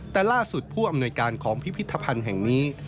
แต่ล่าสุดผู้อำนวยการของพิพิธภัณฑ์แห่งนี้